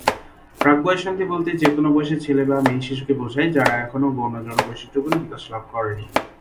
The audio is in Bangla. প্রাক-বয়ঃসন্ধি বলতে যেকোনও বয়সের ছেলে বা মেয়ে শিশুকে বোঝায়, যার এখনও গৌণ যৌন বৈশিষ্ট্যগুলি বিকাশ লাভ করেনি।